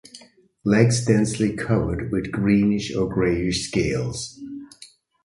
Legs densely covered with greenish or grey scales.